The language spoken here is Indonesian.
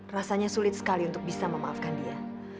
rasanya sulit sekali untuk bisa memaafkan dia